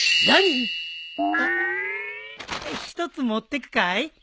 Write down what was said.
何っ！？一つ持ってくかい？